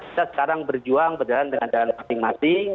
kita sekarang berjuang berjalan dengan jalan masing masing